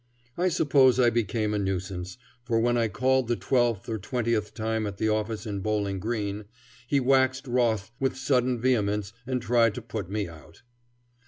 I suppose I became a nuisance, for when I called the twelfth or twentieth time at the office in Bowling Green, he waxed wroth with sudden vehemence and tried to put me out.